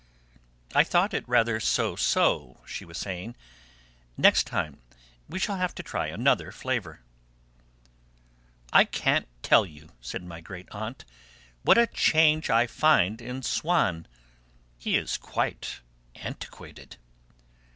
"I thought it rather so so," she was saying; "next time we shall have to try another flavour." "I can't tell you," said my great aunt, "what a change I find in Swann. He is quite antiquated!"